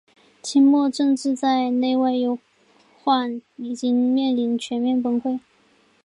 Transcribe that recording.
清末政治在内忧外患中已经面临全面崩溃。